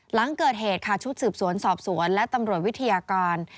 หลังเกิดเหตุค่ะชุดสืบสวนสอบสวนและตำรวจวิทยาการ